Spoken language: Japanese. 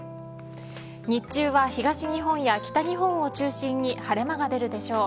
日中は東日本や北日本を中心に晴れ間が出るでしょう。